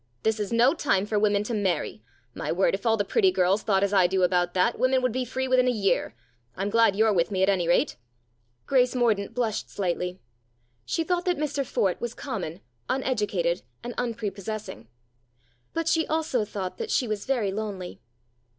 " This is no time for women to marry. My word, if all the pretty girls thought as I do about that, women would be free within a year. I'm glad you're with me at any rate." Grace Mordaunt blushed slightly. She thought that Mr Fort was common, uneducated, and un prepossessing. But she also thought that she was very lonely.